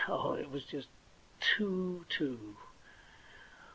Oh, it was just too too!